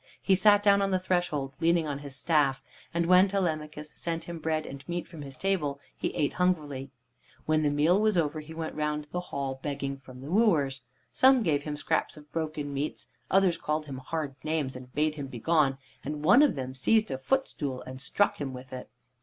He sat down on the threshold leaning on his staff, and when Telemachus sent him bread and meat from his table he ate hungrily. When the meal was over he went round the hall begging from the wooers. Some gave him scraps of broken meats, others called him hard names and bade him begone, and one of them seized a footstool and struck him with it.